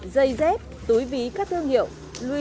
dây dép túi ví các thương hiệu